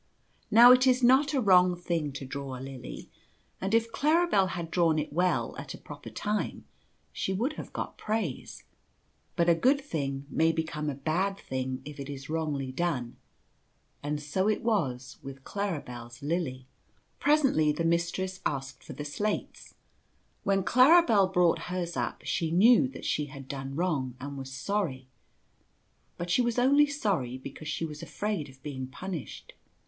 Now it is not a wrong thing to draw a lily, and if Claribel had drawn it well at a proper time she would have got praise ; but a good thing may become a bad thing if it is wrongly done — and so it was with Claribers lily. Presently the % Mistress asked for the slates. When Claribel brought hers up she knew that she had done wrong and was sorry; but she was only sorry because she was afraid of being punished.